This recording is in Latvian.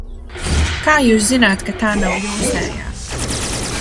Kā jūs zināt, ka tā nav jūsējā?